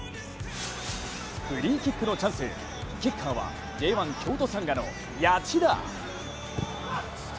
フリーキックのチャンスキッカーはＪ１京都サンガの谷内田。